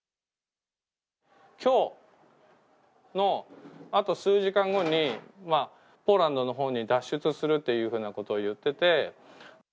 きょうのあと数時間後には、ポーランドのほうに脱出するっていうふうなことを言ってて。